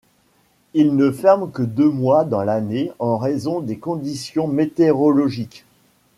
Il ne ferme que deux mois dans l'année en raison des conditions météorologiques.